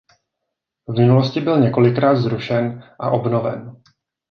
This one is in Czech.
V minulosti byl několikrát zrušen a obnoven.